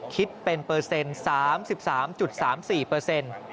คิดเป็นเปอร์เซ็นต์๓๓๓๔